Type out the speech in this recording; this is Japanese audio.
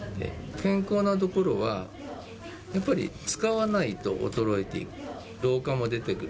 健康なところはやっぱり使わないと衰えていく、老化も出てくる。